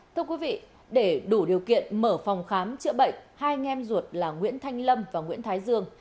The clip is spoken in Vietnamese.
thưa quý vị để đủ điều kiện mở phòng khám chữa bệnh hai anh em ruột là nguyễn thanh lâm và nguyễn thái dương